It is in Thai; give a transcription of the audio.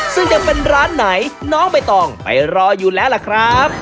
ซึ่งจะเป็นร้านไหนน้องใบตองไปรออยู่แล้วล่ะครับ